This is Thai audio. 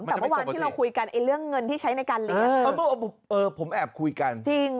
แต่วางที่เราคุยกันไอเรื่องเงินที่ใช้ในการเลี้ยง